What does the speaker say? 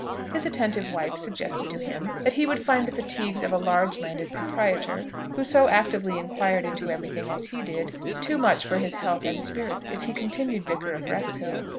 His attentive wife suggested to him, that he would find the fatigues of a large landed proprietor who so actively inquired into every thing, as he did, too much for his health and spirits, if he continued Vicar of Wrexhill.